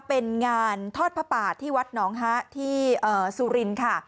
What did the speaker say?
เป็นงานทอดพระป่าที่วัดน้องฮะที่ซูรินค่ะ